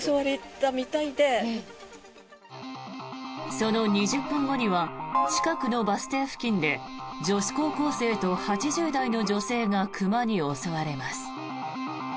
その２０分後には近くのバス停付近で女子高校生と８０代の女性が熊に襲われます。